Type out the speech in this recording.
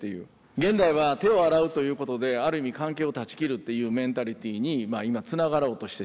現代は手を洗うということである意味関係を断ち切るっていうメンタリティーに今つながろうとしてしまってる。